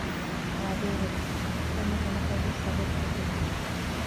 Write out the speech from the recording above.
އާދޭހެވެ! ކޮންމެ ކަމަކަށްވެސް ސަބަބުތަކެއްވެ